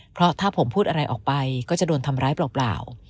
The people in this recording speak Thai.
เพราะถ้าผมพูดอะไรออกไปก็จะโดนทำร้ายเปล่า